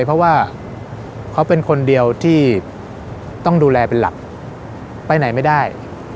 เพราะว่าเขาเป็นคนเดียวที่ต้องดูแลเป็นหลักไปไหนไม่ได้